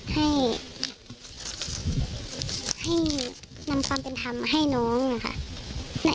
ให้นำความเป็นธรรมมาให้น้องนะคะ